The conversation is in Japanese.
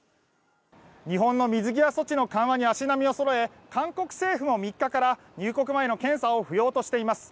日本の水際措置の緩和に足並みをそろえ韓国政府も３日から入国前の検査を不要としています。